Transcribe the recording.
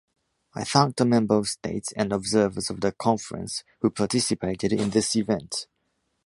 I thank the Member States and observers of the Conference who participated in this event.